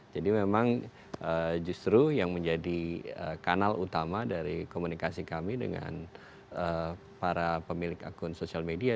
jadi memang justru yang menjadi kanal utama dari komunikasi kami dengan para pemilik akun social media